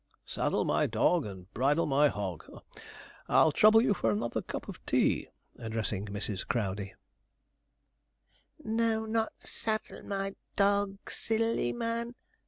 '"Saddle my dog, and bridle my hog" I'll trouble you for another cup of tea,' addressing Mrs. Crowdey. 'No, not "saddle my dog," sil l e y man!'